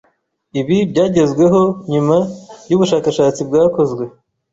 Ibi byagezweho nyuma y’ubushakashatsi bwakozwe